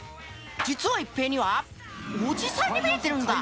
実は一平にはおじさんに見えてるんだ。